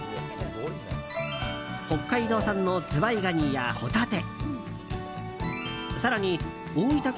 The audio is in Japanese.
北海道産のズワイガニやホタテ更に大分県